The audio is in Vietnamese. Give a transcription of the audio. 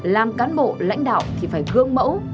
làm cán bộ lãnh đạo thì phải gương mẫu